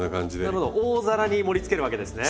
なるほど大皿に盛りつけるわけですね。